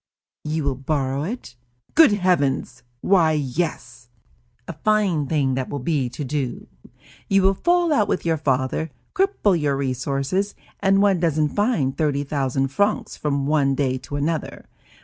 "You will borrow it?" "Good heavens! Why, yes!" "A fine thing that will be to do; you will fall out with your father, cripple your resources, and one doesn't find thirty thousand francs from one day to another.